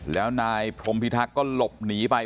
แล้วนายพรมพิทักษ์ก็หลบหนีไป